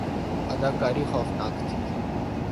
اداکاری خوفناک تھی